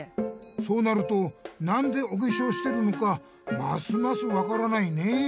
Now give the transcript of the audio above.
そうなるとなんでおけしょうしてるのかますますわからないねえ。